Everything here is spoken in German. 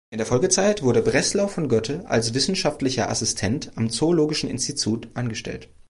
In der Folgezeit wurde Bresslau von Goette als wissenschaftlicher Assistent am Zoologischen Institut angestellt.